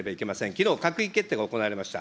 きのう、閣議決定が行われました。